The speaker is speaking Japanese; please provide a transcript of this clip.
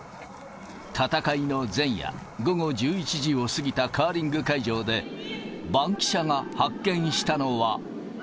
戦いの前夜、午後１１時を過ぎたカーリング会場でバンキシャが発見したのは。